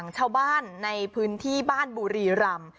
ชาวบ้านในพื้นที่บ้านบุรีรำ